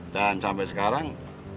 dan sampai sekarang